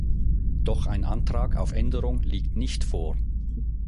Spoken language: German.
Doch ein Antrag auf Änderung liegt nicht vor.